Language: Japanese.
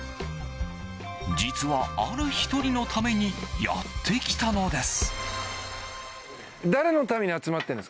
実は、ある１人のためにやってきたのです。